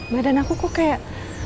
badan aku kok kayak